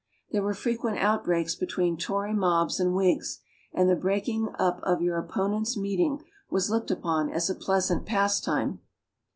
There were frequent outbreaks between Tory mobs and Whigs, and the breaking up of your opponents' meeting was looked upon as a pleasant pastime.